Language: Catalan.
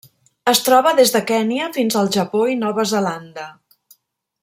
Es troba des de Kenya fins al Japó i Nova Zelanda.